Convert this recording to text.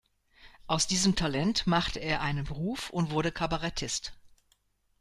Aus diesem Talent machte er einen Beruf und wurde Kabarettist.